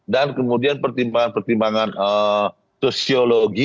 dan kemudian pertimbangan pertimbangan sosiologi